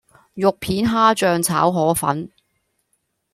肉片蝦醬炒河粉